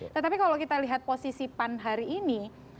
tetapi kalau kita lihat posisi pan hari ini